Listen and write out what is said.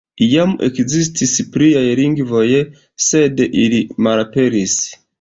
Iam ekzistis pliaj lingvoj, sed ili malaperis.